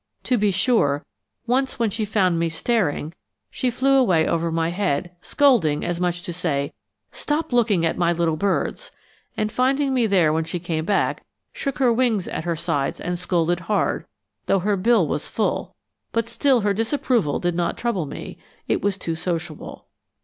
To be sure, once when she found me staring she flew away over my head, scolding as much as to say, "Stop looking at my little birds," and finding me there when she came back, shook her wings at her sides and scolded hard, though her bill was full; but still her disapproval did not trouble me; it was too sociable.